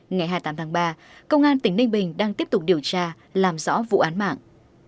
ngày hai mươi tám tháng ba công an tỉnh ninh bình đang tiếp tục điều tra làm rõ vụ án mạng